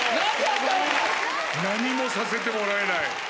何もさせてもらえない。